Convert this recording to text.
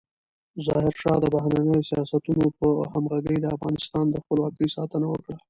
ظاهرشاه د بهرنیو سیاستونو په همغږۍ د افغانستان د خپلواکۍ ساتنه وکړه.